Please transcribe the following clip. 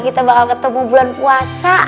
kita bakal ketemu bulan puasa